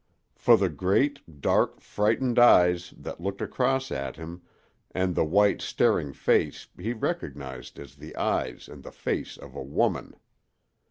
For the great, dark, frightened eyes that looked across at him, and the white, staring face he recognized as the eyes and the face of a woman.